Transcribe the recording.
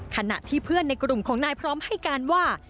ขณะที่เพื่อนในกลุ่มของนายพร้อมให้การว่า